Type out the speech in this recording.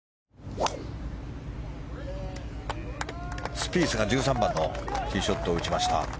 スピースが１３番のティーショットを打ちました。